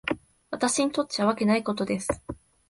私にとっちゃわけないことです。